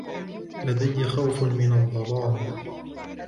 لدي خوف من الظلام.